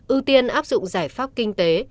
ưu tiên áp dụng giải pháp kinh tế